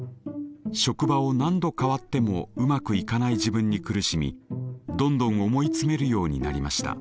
職場を何度変わってもうまくいかない自分に苦しみどんどん思い詰めるようになりました。